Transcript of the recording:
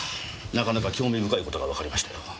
なかなか興味深い事がわかりましたよ。